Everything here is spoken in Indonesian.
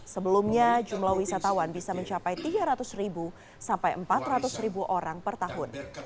sebelumnya jumlah wisatawan bisa mencapai rp tiga ratus sampai rp empat ratus per tahun